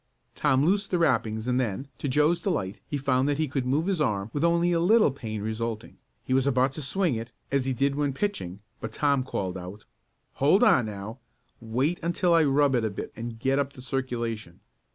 Tom loosed the wrappings and then, to Joe's delight, he found that he could move his arm with only a little pain resulting. He was about to swing it, as he did when pitching, but Tom called out: "Hold on now! Wait until I rub it a bit and get up the circulation."